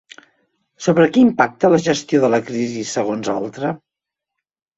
Sobre qui impacta la gestió de la crisi segons Oltra?